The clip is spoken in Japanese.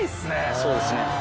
そうですね。